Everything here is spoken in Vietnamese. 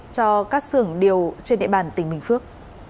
cho các xưởng điều trên địa bàn tỉnh bình phước